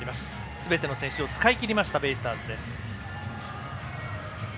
すべての選手を使い切りましたベイスターズ。